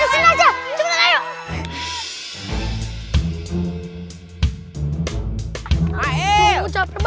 hai allah alhamdulillah wa'alaikumussalam